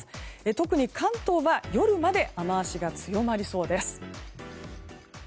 特に関東は夜まで雨脚が強まりそうです。